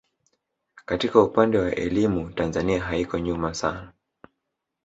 Katika upande wa elimu Tanzania haiko nyuma sana